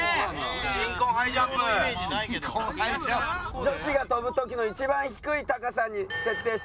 女子が跳ぶ時の一番低い高さに設定しております。